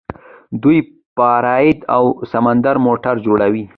دوی پراید او سمند موټرې جوړوي.